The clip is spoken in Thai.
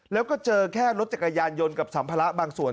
แล้วก็เจอแค่รถจักรยานยนต์กับสัมภาระบางส่วน